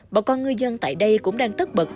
bà con ngư dân tại đây cũng đang tất bật